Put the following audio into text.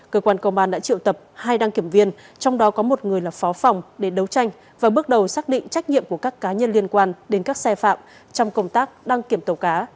cơ quan công an đã triệu tập hai đăng kiểm viên trong đó có một người là phó phòng để đấu tranh và bước đầu xác định trách nhiệm của các cá nhân liên quan đến các xe phạm trong công tác đăng kiểm tàu cá